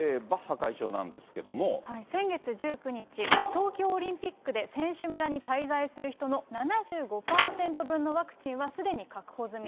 先月１９日、東京オリンピックで選手村に滞在する人の７５％分のワクチンはすでに確保済み。